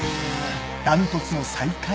断トツの最下位。